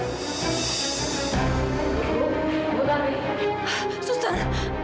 bagaimana keadaan anak saya suster